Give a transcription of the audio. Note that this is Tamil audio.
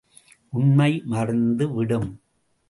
உண்மை மறைந்து விடும்!